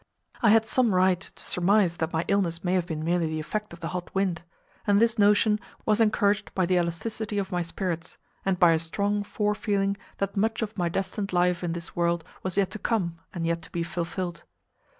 I had some right to surmise that my illness may have been merely the effect of the hot wind; and this notion was encouraged by the elasticity of my spirits, and by a strong forefeeling that much of my destined life in this world was yet to come, and yet to be fulfilled.